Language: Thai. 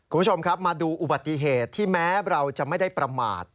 คุณผู้ชมครับมาดูอุบัติเหตุที่แม้เราจะไม่ได้ประมาท